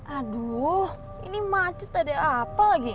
aduh ini macet ada apa lagi